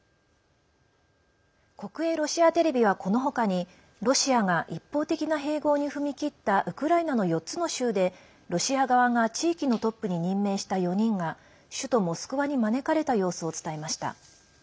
国営ロシアテレビはこの他に、ロシアが一方的な併合に踏み切ったウクライナの４つの州でロシア側が地域のトップに任命した４人が首都モスクワに招かれた様子を伝えました。